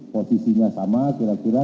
posisinya sama kira kira